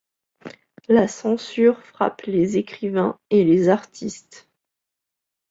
La censure frappe les écrivains et les artistes.